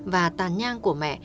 và tàn nhang của mẹ